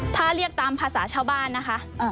ถ้าเรียกตามภาษาชาวบ้านนะคะ